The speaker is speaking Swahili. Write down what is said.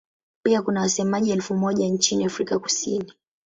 Pia kuna wasemaji elfu moja nchini Afrika Kusini.